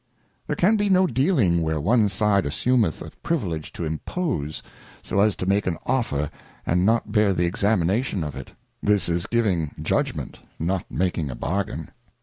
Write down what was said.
There can be no dealing where one side assumeth a privilege to impose, so as to make an offer and not bear the examination of it, this is giving judgment not making a bargain.